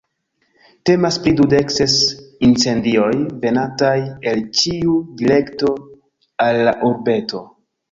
Temas pri dudek ses incendioj venantaj el ĉiu direkto al la urbeto.